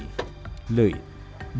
rumah warga mudah terbakar